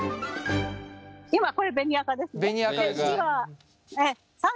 今これ紅赤ですね。